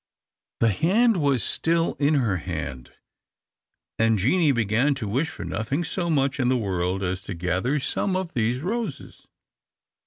The hand was still in her hand, and Jeanie began to wish for nothing so much in the world as to gather some of these roses.